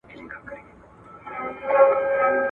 د افغانانو ملي ارزښتونه د سوله ييز ژوند بنسټ دی.